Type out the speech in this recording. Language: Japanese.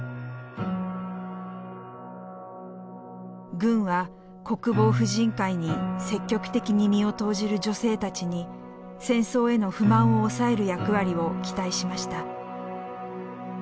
軍は国防婦人会に積極的に身を投じる女性たちに戦争への不満を抑える役割を期待しました。